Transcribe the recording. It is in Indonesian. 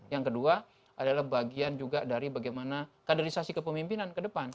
yang kedua adalah bagian juga dari bagaimana kaderisasi kepemimpinan ke depan